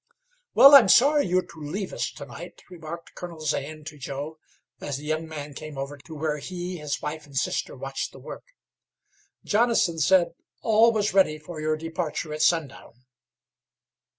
"Well, I'm sorry you're to leave us to night," remarked Colonel Zane to Joe, as the young man came over to where he, his wife, and sister watched the work. "Jonathan said all was ready for your departure at sundown."